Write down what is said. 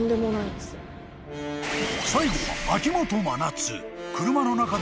［最後は］